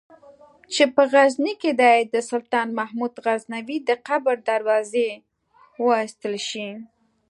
چې په غزني کې دې د سلطان محمود غزنوي د قبر دروازې وایستل شي.